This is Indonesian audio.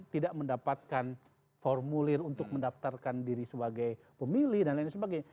tidak mendapatkan formulir untuk mendaftarkan diri sebagai pemilih dan lain sebagainya